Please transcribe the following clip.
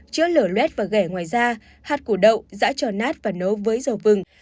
chữa lửa luet và gẻ ngoài da hạt củ đậu dã tròn nát và nấu với dầu vừng